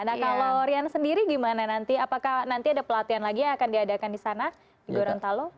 nah kalau rian sendiri gimana nanti apakah nanti ada pelatihan lagi yang akan diadakan di sana di gorontalo